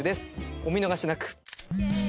お見逃しなく。